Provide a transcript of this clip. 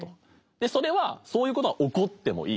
それはそういうことは起こってもいいですよね。